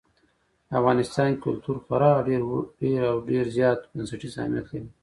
په افغانستان کې کلتور خورا ډېر او ډېر زیات بنسټیز اهمیت لري.